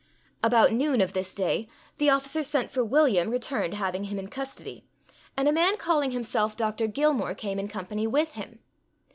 About noon of this day, the officer sent for William, returned having him in custody; and a man calling himself Dr. Gilmore, came in company with them.